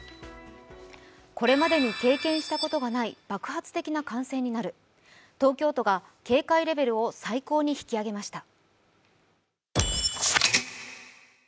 これまでに経験したことがない爆発的な感染になる、東京都が警戒レベルを最高に引き上げました。